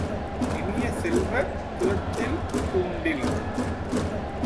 இனிய செல்வ, குளத்தில் தூண்டில்!